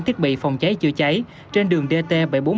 thiết bị phòng cháy chữa cháy trên đường dt bảy trăm bốn mươi một